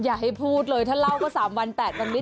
อย่าให้พูดเลยถ้าเล่าก็๓วัน๘วันนี้